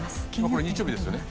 これ日曜日ですよね？